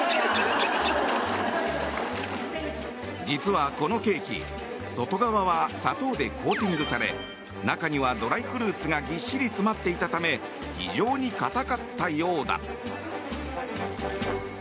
実は、このケーキ外側は砂糖でコーティングされ中にはドライフルーツがぎっしり詰まっていたため非常に硬かったようだ。